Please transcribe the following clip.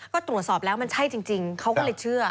ก็ตรวจสอบแล้วมันใช่จริงเขาก็เลยเชื่อ